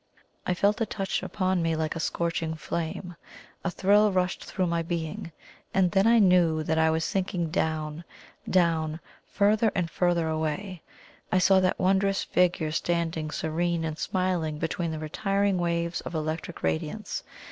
I felt a touch upon me like a scorching flame a thrill rushed through my being and then I knew that I was sinking down, down, further and further away. I saw that wondrous Figure standing serene and smiling between the retiring waves of electric radiance.